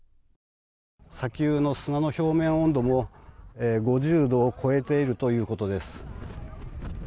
砂丘の砂の表面温度も５０度を超えているということです。